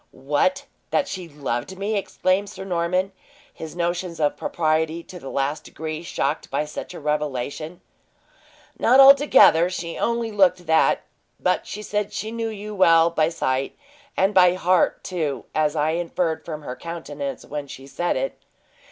"What! That she loved me!" exclaimed Sir Norman, his notions of propriety to the last degree shocked by such a revelation. "Not altogether, she only looked that; but she said she knew you well by sight, and by heart, too, as I inferred from her countenance when she said it.